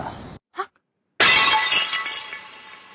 あっ。